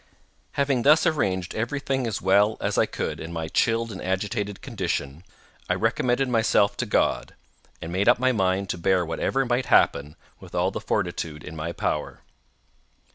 Having thus arranged every thing as well as I could in my chilled and agitated condition, I recommended myself to God, and made up my mind to bear whatever might happen with all the fortitude in my power.